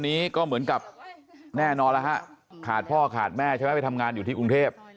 นี้ก็เหมือนกับแน่นอนแล้วฮะขาดพ่อขาดแม่ใช่ไหมไปทำงานอยู่ที่กรุงเทพ